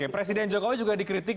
presiden jokowi juga dikritik